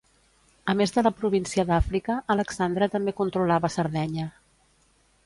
A més de la província d'Àfrica, Alexandre també controlava Sardenya.